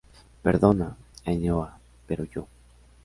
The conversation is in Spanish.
perdona, Ainhoa, pero yo...